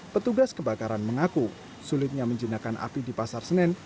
petugas kebakaran mengaku sulitnya menjinakkan api di pasar senen